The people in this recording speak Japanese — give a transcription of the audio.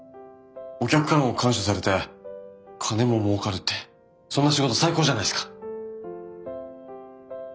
お客からも感謝されて金ももうかるってそんな仕事最高じゃないっすか！